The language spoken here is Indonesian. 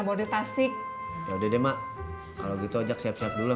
mukena emak udah setahun